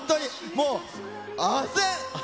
もう、あぜん。